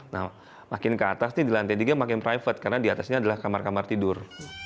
nah makin ke atas nih di lantai tiga makin private karena di atasnya adalah kamar kamar tidur